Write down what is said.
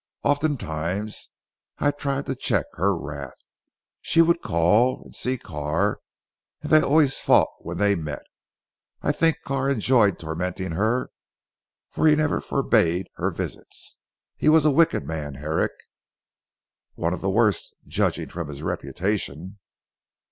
"Oftentimes I tried to check her wrath. She would call and see Carr, and they always fought when they met. I think Carr enjoyed tormenting her, for he never forbade her visits. He was a wicked man, Herrick." "One of the worst, judging from his reputation."